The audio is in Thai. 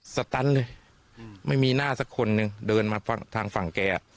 สตันเลยไม่มีหน้าสักคนหนึ่งเดินมาทางฝั่งแก